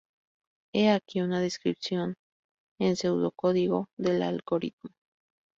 He aquí una descripción en pseudocódigo del algoritmo.